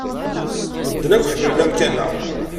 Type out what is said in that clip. Medden akk ḥemmlen amkan-a.